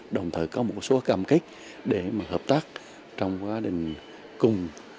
đồng thời có một số cảm kích để mà hợp tác trong quá trình cung